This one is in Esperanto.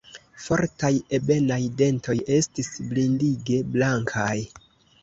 Fortaj, ebenaj dentoj estis blindige blankaj.